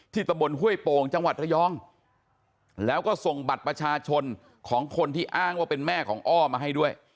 ตะบนห้วยโป่งจังหวัดระยองแล้วก็ส่งบัตรประชาชนของคนที่อ้างว่าเป็นแม่ของอ้อมาให้ด้วย